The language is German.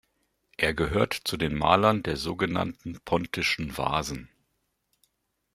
Er gehört zu den Malern der sogenannten Pontischen Vasen.